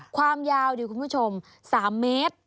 ความยาวดิคุณผู้ชม๓เมตร